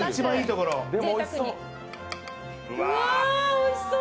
おいしそう。